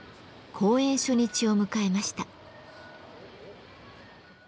公演初日を迎えました。